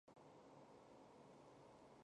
遥距交流持续性的工作沟通与协作